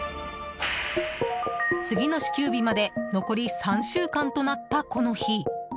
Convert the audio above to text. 次の支給日まで残り３週間となった、この日。